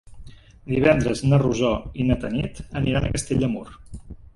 Divendres na Rosó i na Tanit aniran a Castell de Mur.